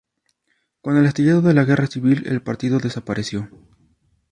Con el estallido de la guerra civil el partido desapareció.